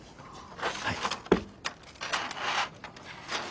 はい。